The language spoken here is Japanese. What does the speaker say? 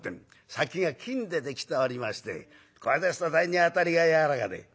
「先が金でできておりましてこれですと大変に当たりが柔らかで」。